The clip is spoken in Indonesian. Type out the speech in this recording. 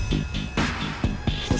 eh mau kemana lo